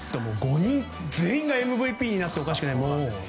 ５人全員がＭＶＰになってもおかしくない。